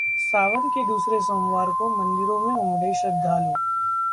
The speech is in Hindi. सावन के दूसरे सोमवार को मंदिरों में उमड़े श्रद्धालु